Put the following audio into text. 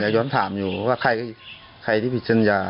ย้อนถามอยู่ว่าใครที่ผิดสัญญา